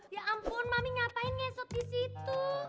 ya ampun mami ngapain ngesot di situ